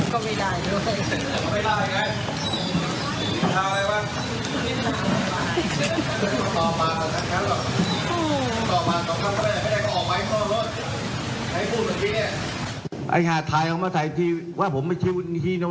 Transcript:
ไล่ลาตกันมากนะเดี๋ยวถ้าไล่ลาตสิ่งออก